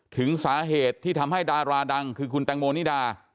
ถึงสาเหตุที่ทำให้ดาราดังคือคุณแตงโมนิดา